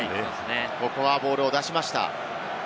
ここはボールを出しました。